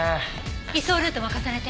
移送ルートも重ねて。